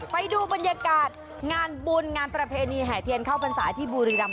ไปดูบรรยากาศงานบุญงานประเพณีแห่เทียนเข้าพรรษาที่บุรีรำ